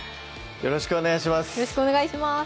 よろしくお願いします